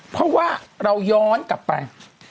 เพราะว่าเราย้อนกลับไป